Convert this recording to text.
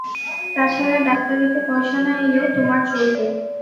তা ছাড়া, ডাক্তারিতে পয়সা না এলেও তোমার চলবে।